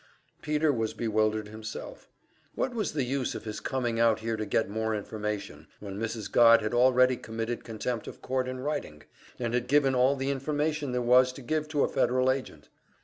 Peter was bewildered himself; what was the use of his coming out here to get more information, when Mrs. Godd had already committed contempt of court in writing, and had given all the information there was to give to a Federal agent?